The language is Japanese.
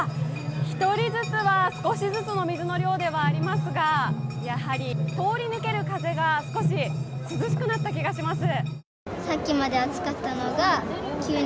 １人ずつは少しずつの水の量ではありますがやはり通り抜ける風が少し涼しくなった気がします。